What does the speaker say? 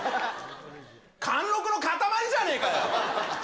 貫禄の塊じゃねぇかよ！